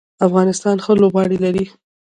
افغانستان ښه لوبغاړي لري.